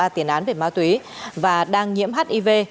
ba tiền án về ma túy và đang nhiễm hiv